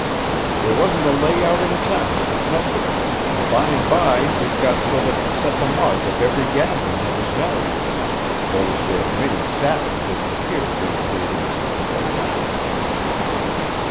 There wasn't a lay out in town could touch it, an' by an' by it got so that it set the mark on every gatherin' that was held, those where Minnie's satin didn't appear bein' rated as of no account."